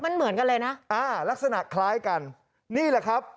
มันเหมือนกันเลยนะอ่าลักษณะคล้ายกันนี่แหละครับ